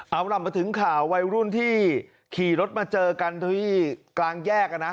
เอาล่ะมาถึงข่าววัยรุ่นที่ขี่รถมาเจอกันที่กลางแยก